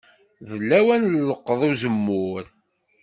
D lawan n leqḍ uzemmur.